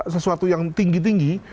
sesuatu yang tinggi tinggi